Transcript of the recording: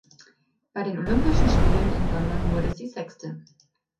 Bei den Olympischen Spielen in London wurde sie Sechste.